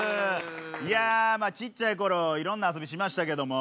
いやまあちっちゃい頃いろんな遊びしましたけども。